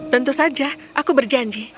tentu saja aku berjanji